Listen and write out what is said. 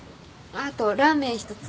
あとラーメン１つ。